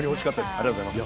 ありがとうございます。